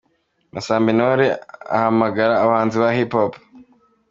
Masamba Intore ahamagara abahanzi ba Hip hop.